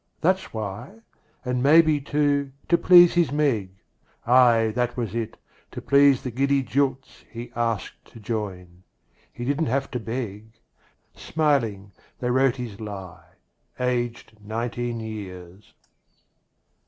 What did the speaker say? That's why; and maybe, too, to please his Meg, Aye, that was it, to please the giddy jilts, He asked to join. He didn't have to beg; Smiling they wrote his lie; aged nineteen years.